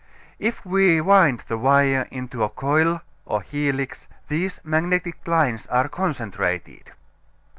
If we wind the wire into a coil, or helix, these magnetic lines are concentrated.